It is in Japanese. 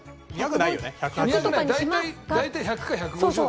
大体１００か１５０だよ。